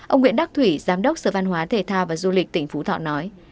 ông nguyễn đắc thủy giám đốc sở văn hóa thể thao và du lịch tỉnh phú thọ nói